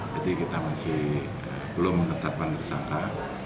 jadi kita masih belum menetapkan tersangka